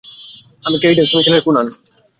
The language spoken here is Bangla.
আমি কেইডেন্স, মিশেলের বোন।